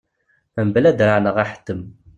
Mebla draɛ neɣ aḥettem.